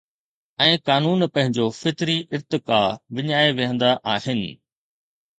۽ قانون پنهنجو فطري ارتقا وڃائي ويهندا آهن